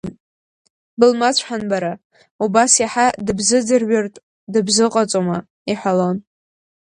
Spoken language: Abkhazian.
Былмацәҳан, бара, убас иаҳа дыбзыӡырҩыртә дыбзыҟаҵома, иҳәалон.